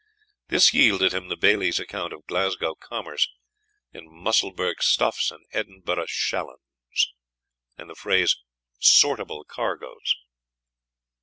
This yielded him the Bailie's account of Glasgow commerce "in Musselburgh stuffs and Edinburgh shalloons," and the phrase "sortable cargoes."